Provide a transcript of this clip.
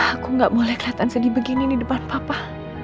aku gak boleh kelihatan sedih begini di depan papa